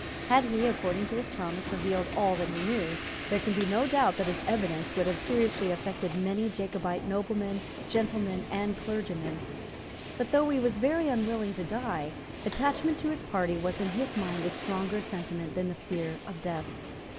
Had he, according to his promise, revealed all that he knew, there can be no doubt that his evidence would have seriously affected many Jacobite noblemen, gentlemen and clergymen. But, though he was very unwilling to die, attachment to his party was in his mind a stronger sentiment than the fear of death.